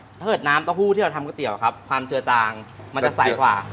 ถ้าเกิดน้ำเต้าหู้ที่เราทำก๋วยเตี๋ยวครับความเจือจางมันจะใสกว่า